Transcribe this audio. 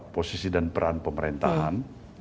posisi dan peran pemerintahan